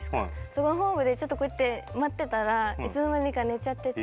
そのホームでちょっとこうやって待ってたらいつの間にか寝ちゃってて。